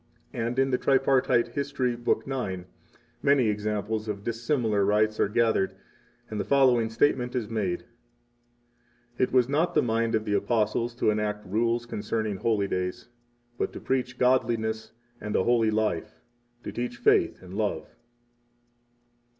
45 And in the Tripartite History, Book 9, many examples of dissimilar rites are gathered, and the following statement is made: It was not the mind of the Apostles to enact rules concerning holy days, but to preach godliness and a holy life [to teach faith and love].